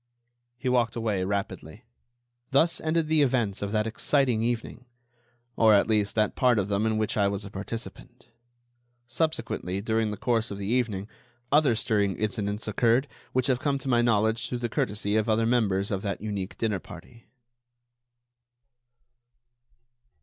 He walked away rapidly. Thus ended the events of that exciting evening, or, at least, that part of them in which I was a participant. Subsequently, during the course of the evening, other stirring incidents occurred which have come to my knowledge through the courtesy of other members of that unique dinner party.